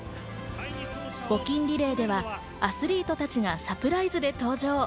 募金リレーではアスリートたちがサプライズで登場。